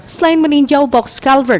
selain meninjau box culvert